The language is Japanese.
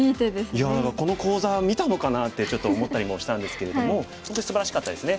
いやこの講座見たのかなってちょっと思ったりもしたんですけれども本当にすばらしかったですね。